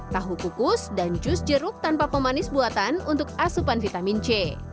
tahu kukus dan jus jeruk tanpa pemanis buatan untuk asupan vitamin c